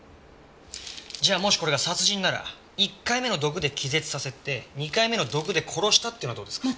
じゃあもしこれが殺人なら１回目の毒で気絶させて２回目の毒で殺したっていうのはどうですか？